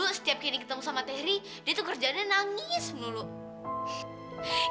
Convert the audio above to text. dulu setiap kendi ketemu sama tiri dia tuh kerjaannya nangis menurutku